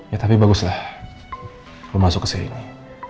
ya tapi baguslah lo masuk kesini